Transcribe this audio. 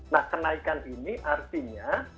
nah kenaikan ini artinya